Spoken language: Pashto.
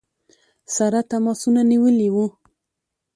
سره تماسونه نیولي ؤ.